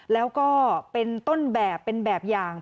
แล้วก็เป็นต้นแบบเป็นแบบอย่าง